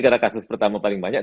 karena kasus pertama paling banyak